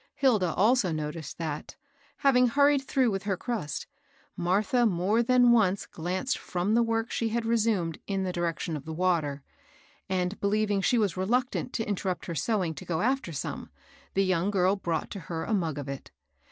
Hilda also noticed that, having hurried through with her* crust, Martha more than once glanced from the work she had re sumed in the direction of the water ; and, beheving she was reluctant to interrupt her sewing to go after some, the young girl brought to her a mug of it.